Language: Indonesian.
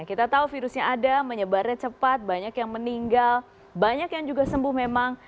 kita tahu virusnya ada menyebarnya cepat banyak yang meninggal banyak yang juga sembuh memang